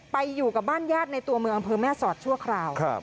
ไปอยู่กับบ้านญาติในตัวเมืองอำเภอแม่สอดชั่วคราว